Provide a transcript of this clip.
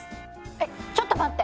えっちょっと待って！